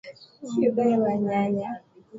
Mguu wa nyanya.